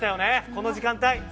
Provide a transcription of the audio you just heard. この時間帯。